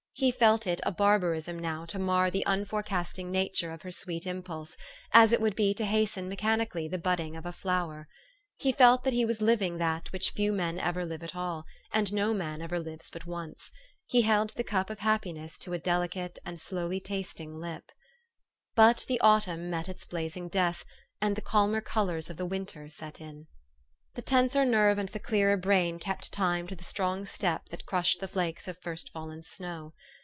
He felt it a barbarism now to mar the unforecasting nature of her sweet impulse, as it would be to hasten mechani cally the budding of a flower. He felt that he was living that which few men ever live at all, and no man ever lives but once. He held the cup of his happiness to a delicate and slowly tasting lip. But the autumn met its blazing death, and the calmer colors of the winter set in. The tenser nerve and the clearer brain kept time to the strong step that crushed the flakes of first fallen snow.